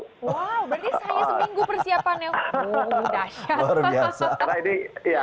wow berarti saya seminggu persiapannya